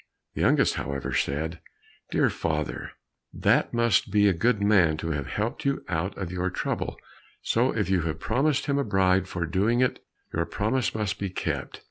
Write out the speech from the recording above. The youngest, however, said, "Dear father, that must be a good man to have helped you out of your trouble, so if you have promised him a bride for doing it, your promise must be kept."